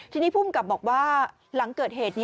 ทีนี้ภูมิกับบอกว่าหลังเกิดเหตุ